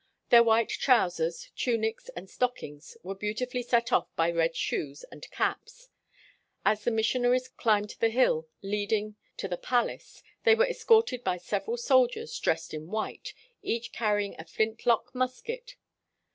Their white trousers, tunics, and stockings, were beautifully set off by red shoes and caps. As the missionaries climbed the hill leading to the palace, they were escorted by several soldiers dressed in white, each carrying a flint lock musket.